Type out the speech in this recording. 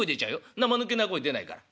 んなまぬけな声出ないから」。